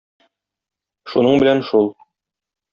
Шуның белән шул!